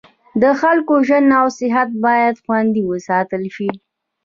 د خلکو ژوند او صحت باید خوندي وساتل شي.